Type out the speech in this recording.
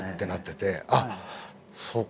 あっそうか。